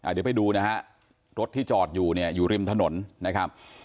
เดี๋ยวไปดูนะฮะรถที่จอดอยู่เนี่ยอยู่ริมถนนนะครับ